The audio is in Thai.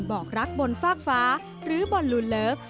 บอกรักบนฟากฟ้าหรือบอลลูเลิฟ